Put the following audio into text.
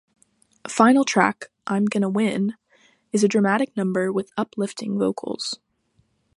Final track "I'm Gonna Win" is a dramatic number with uplifting vocals.